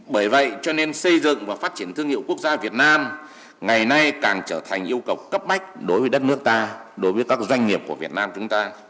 bởi vậy cho nên xây dựng và phát triển thương hiệu quốc gia việt nam ngày nay càng trở thành yêu cầu cấp bách đối với đất nước ta đối với các doanh nghiệp của việt nam chúng ta